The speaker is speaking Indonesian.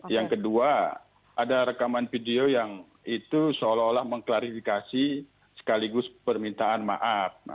yang kedua ada rekaman video yang itu seolah olah mengklarifikasi sekaligus permintaan maaf